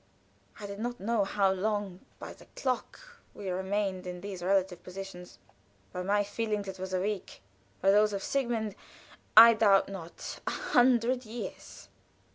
I do not know how long by the clock we remained in these relative positions; by my feelings it was a week; by those of Sigmund, I doubt not, a hundred years.